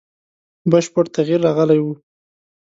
بشپړ تغییر راغلی وو.